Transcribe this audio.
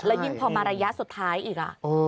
แล้วยิ่งพอมาระยะสุดท้ายอีก